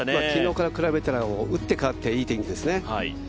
昨日から比べたら打って変わっていい天気ですね。